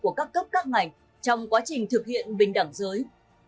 của các cấp các ngành trong quá trình thực hiện bình đẳng giới